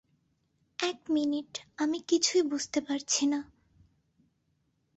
এক মিনিট, আমি কিছুই বুঝতে পারছি না।